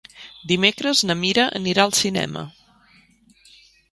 Dimecres na Mira anirà al cinema.